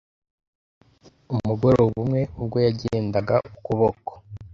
umugoroba umwe ubwo yagendaga ukuboko